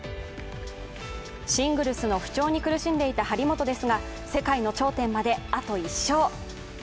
シングルスの不調に苦しんでいた張本ですが、世界の頂点まであと１勝。